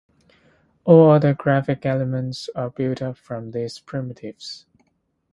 All other graphic elements are built up from these primitives.